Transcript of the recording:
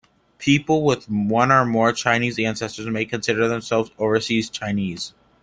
People with one or more Chinese ancestors may consider themselves overseas Chinese.